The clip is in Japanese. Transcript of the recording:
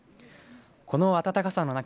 この暖かさの中